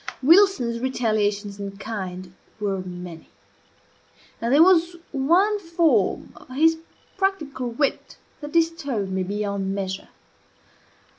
Wilson's retaliations in kind were many; and there was one form of his practical wit that disturbed me beyond measure.